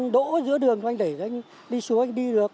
đổ giữa đường thôi anh để anh đi xuống anh đi được